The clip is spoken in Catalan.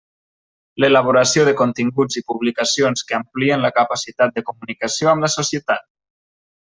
L'elaboració de continguts i publicacions que amplien la capacitat de comunicació amb la societat.